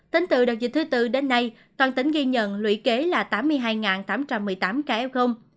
tính từ đợt dịch thứ tư đến nay toàn tỉnh ghi nhận lũy kế là tám mươi hai tám trăm một mươi tám ca f